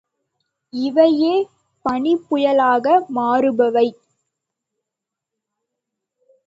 இவையே பனிப்புயலாக மாறுபவை.